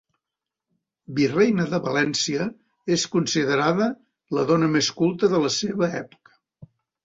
Virreina de València, és considerada la dona més culta de la seva època.